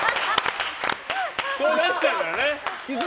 そうなっちゃうからね。